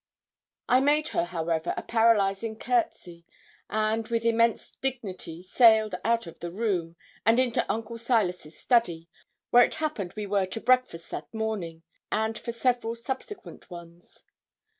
I made her, however, a paralysing courtesy, and, with immense dignity, sailed out of the room, and into Uncle Silas's study, where it happened we were to breakfast that morning, and for several subsequent ones.